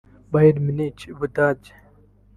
Bayern Munich (u Budage)